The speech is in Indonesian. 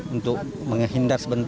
untuk menghindar sementara